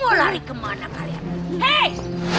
mau lari kemana kalian